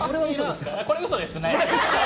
これ、うそですね。